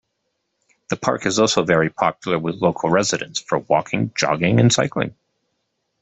The park is also very popular with local residents for walking, jogging and cycling.